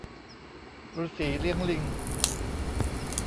ฤๅษีเลี้ยงลิง